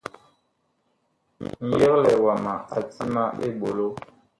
Ŋyeglɛɛ wama a ti ma eɓolo.